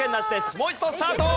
もう一度スタート！